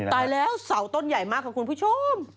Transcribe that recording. ตายแล้วเสาต้นใหญ่มากค่ะคุณผู้ชม